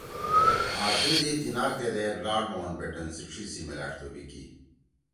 آں دُو دی تیناک دیدے لارڈ ماؤنٹ بیٹن سی ڇھی سی میلأݜ توبی کی